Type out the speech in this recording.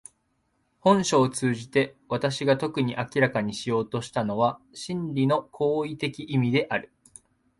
本書を通じて私が特に明らかにしようとしたのは真理の行為的意味である。